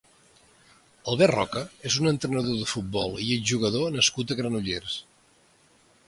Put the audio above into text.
Albert Roca és un entrenador de futbol i exjugador nascut a Granollers.